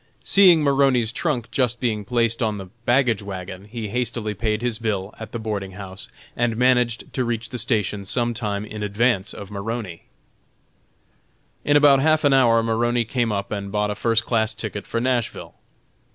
Seeing Maroney's trunk just being placed on the baggage wagon, he hastily paid his bill at the boarding house, and managed to reach the station some time in advance of Maroney. In about half an hour Maroney came up and bought a first class ticket for Nashville.